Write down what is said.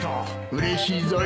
うれしいぞよ。